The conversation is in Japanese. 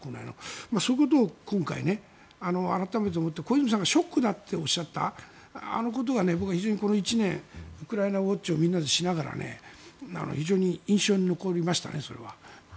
そういうことを今回改めて思って小泉さんがショックだとおっしゃったあのことが僕は非常にこの１年ウクライナウォッチをみんなでしながら非常に印象に残りましたね。